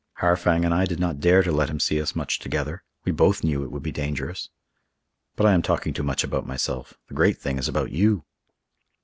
Harfang and I did not dare to let him see us much together; we both knew it would be dangerous. But I am talking too much about myself: the great thing is about you."